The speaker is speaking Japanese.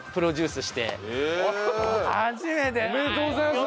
おめでとうございます。